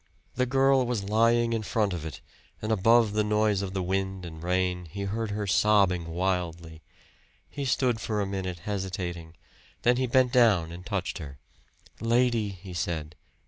The girl was lying in front of it, and above the noise of the wind and rain he heard her sobbing wildly. He stood for a minute, hesitating; then he bent down and touched her. "Lady," he said.